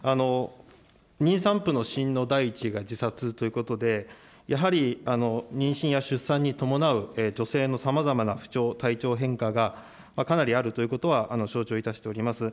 妊産婦の死因の第１位が自殺ということで、やはり妊娠や出産に伴う女性のさまざまな不調、体調変化がかなりあるということは承知をいたしております。